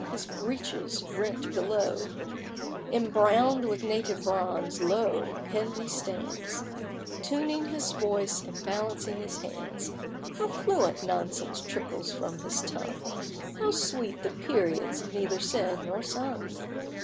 his breeches rent below, Imbrown'd with native bronze, lo! Henley stands, Tuning his voice and balancing his hands. How fluent nonsense trickles from his tongue! How sweet the periods, neither said nor sung!